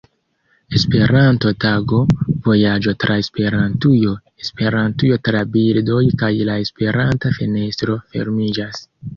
Esperanto-Tago, Vojaĝo tra Esperantujo, Esperantujo tra bildoj kaj La Esperanta fenestro fermiĝas.